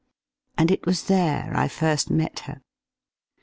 And it was there I first met her!